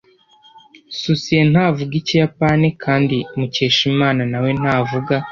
Susie ntavuga Ikiyapani, kandi Mukeshimana na we ntavuga.